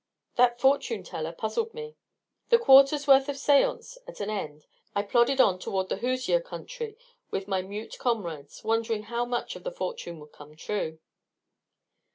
That fortune teller puzzled me. The quarter's worth of seance at an end, I plodded on toward the Hoosier country with my mute comrades, wondering how much of the fortune would come true.